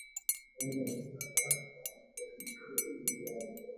Oñani hatã ha ojupi yvyráre